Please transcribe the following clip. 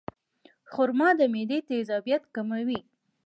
خرما د معدې تیزابیت کموي.